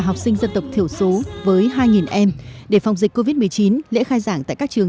học sinh dân tộc thiểu số với hai em để phòng dịch covid một mươi chín lễ khai giảng tại các trường